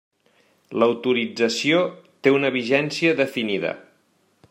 L'autorització té una vigència definida.